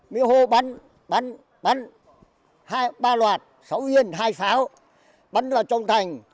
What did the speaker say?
miêu hô bắn bắn bắn ba loạt sáu viên hai pháo bắn vào trong thành